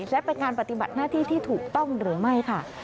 และเป็นการปฏิบัติหน้าที่ที่ถูกต้องหรือไม่ค่ะ